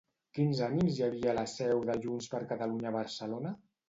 Quins ànims hi havia a la seu de Junts per Catalunya a Barcelona?